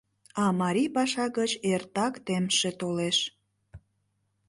А марий паша гыч эртак темше толеш.